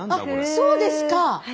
そうですか！